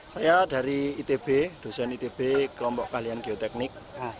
saya dari itb dosen itb kelompok kalian geoteknik